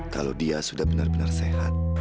kalau dia sudah benar benar sehat